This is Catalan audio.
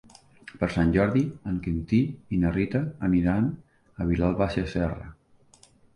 Per Sant Jordi en Quintí i na Rita aniran a Vilalba Sasserra.